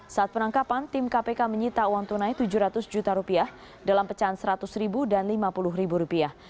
saat penangkapan tim kpk menyita uang tunai tujuh ratus juta rupiah dalam pecahan seratus ribu dan lima puluh ribu rupiah